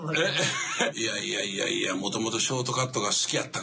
いやいやもともとショートカットが好きやったから俺な。